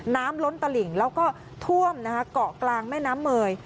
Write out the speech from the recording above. น้ำล้นตะหลิ่งแล้วก็ท่วมเกาะกลางแม่น้ำเมย